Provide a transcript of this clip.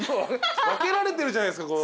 分けられてるじゃないですか。